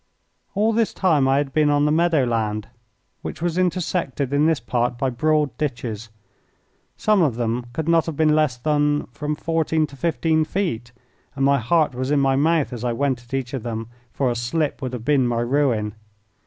All this time I had been on the meadow land, which was intersected in this part by broad ditches. Some of them could not have been less than from fourteen to fifteen feet, and my heart was in my mouth as I went at each of them, for a slip would have been my ruin.